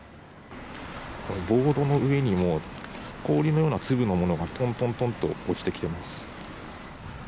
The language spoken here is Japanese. ボードの上にも、氷のような粒のものがとんとんとんと落ちてきてます。